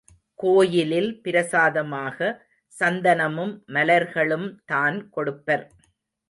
கோயிலில் பிரசாதமாக சந்தனமும் மலர்களும் தான் கொடுப்பர்.